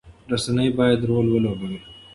رسنۍ باید رول ولوبوي.